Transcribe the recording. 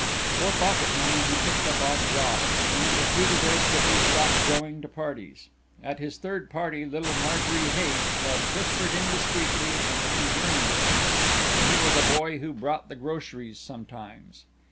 For pocket money, he picked up odd jobs, and it was due to this that he stopped going to parties. At his third party little Marjorie Haight had whispered indiscreetly and within hearing distance that he was a boy who brought the groceries sometimes.